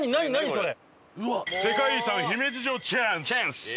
それ。